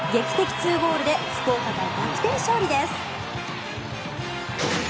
２ゴールで福岡が逆転勝利です。